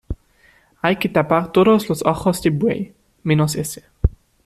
hay que tapar todos los ojos de buey, menos ese